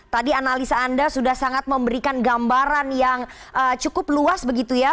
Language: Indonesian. tadi analisa anda sudah sangat memberikan gambaran yang cukup luas begitu ya